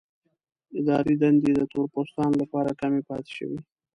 اداري دندې د تور پوستانو لپاره کمې پاتې شوې.